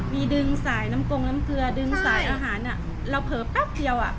มีดึงสายน้ำกงน้ำเกลือดึงสายอาหารเราเผลอแป๊บเดียว